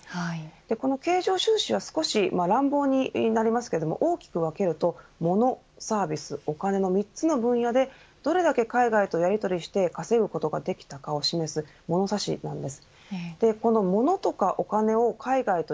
この経常収支は少し乱暴になりますけども大きく分けるともの、サービス、お金の３つの分野でどれだけ海外からやり取りして稼ぐことができたかを示す物差しなんです。